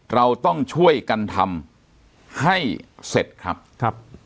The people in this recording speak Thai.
เราต้องช่วยกันทำให้เสร็จครับครับ